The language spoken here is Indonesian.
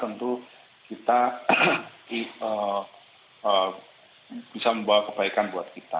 tentu kita bisa membawa kebaikan buat kita